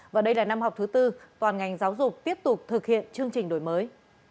và đây là năm học thứ tư toàn ngành giáo dục tiếp tục thực hiện chương trình đổi mới